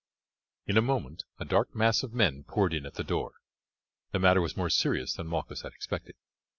In a moment a dark mass of men poured in at the door. The matter was more serious than Malchus had expected.